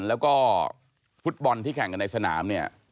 แล้วก็ฟุตบอลที่แข่งกันในสนามเนี่ย